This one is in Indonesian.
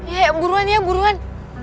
iya buruan ya buruan